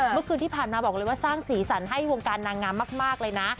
เมื่อคืนที่ผ่านมาบอกเลยว่าสร้างสีสันให้วงการนางงามมากเลยนะ